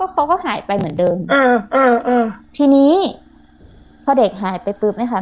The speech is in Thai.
เขาก็หายไปเหมือนเดิมเออเออเออทีนี้พอเด็กหายไปปื๊บไม่ค่อย